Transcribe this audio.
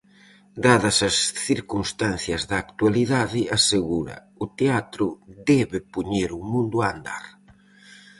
Dadas as circunstancias da actualidade, asegura,"o teatro debe poñer o mundo a andar".